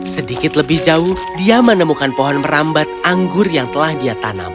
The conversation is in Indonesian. sedikit lebih jauh dia menemukan pohon merambat anggur yang telah dia tanam